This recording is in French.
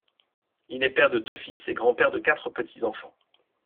Il est père de deux fils et grand-père de quatre petits enfants.